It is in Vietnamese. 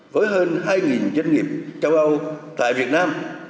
với hơn hai doanh nghiệp châu âu tại việt nam